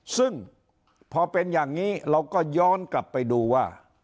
ซึ่งพอเป็นอย่างนี้เราก็ย้อนกลับไปดูว่า